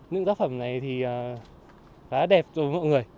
những tác phẩm này thì khá đẹp rồi mọi người